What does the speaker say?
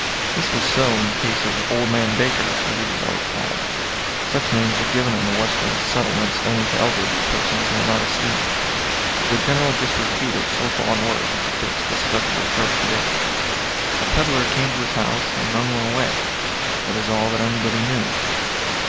This was so in the case of "old man Baker," as he was always called. (Such names are given in the western "settlements" only to elderly persons who are not esteemed; to the general disrepute of social unworth is affixed the special reproach of age.) A peddler came to his house and none went away—that is all that anybody knew.